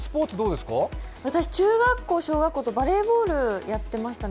私、中学校、小学校とずっとバレーボールやってました。